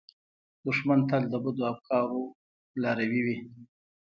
دښمن تل د بدو افکارو لاروي وي